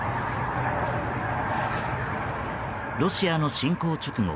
ロシアの侵攻直後